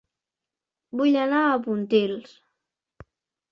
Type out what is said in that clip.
Vull anar a Pontils